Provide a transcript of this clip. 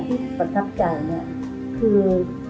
ที่ประทับจากเนี่ยคือ